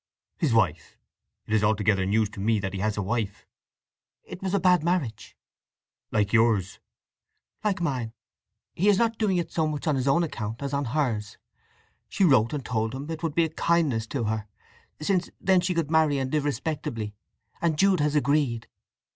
"His wife! It is altogether news to me that he has a wife." "It was a bad marriage." "Like yours." "Like mine. He is not doing it so much on his own account as on hers. She wrote and told him it would be a kindness to her, since then she could marry and live respectably. And Jude has agreed."